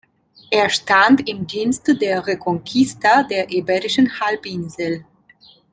Er stand im Dienste der Reconquista der Iberischen Halbinsel.